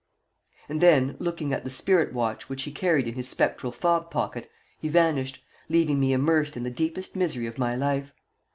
And then, looking at the spirit watch which he carried in his spectral fob pocket, he vanished, leaving me immersed in the deepest misery of my life.